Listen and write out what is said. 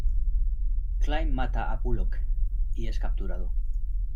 Klein mata a Bullock y es capturado.